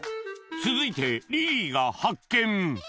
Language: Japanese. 続いてリリーが発見